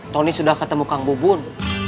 tony sudah ketemu kang bubun